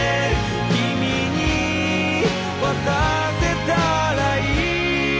「君に渡せたらいい」